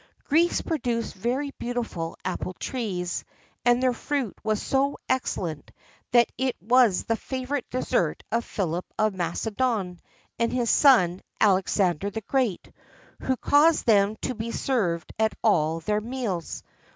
Greece produced very beautiful apple trees, and their fruit was so excellent, that it was the favourite dessert of Philip of Macedon, and of his son, Alexander the Great, who caused them to be served at all their meals.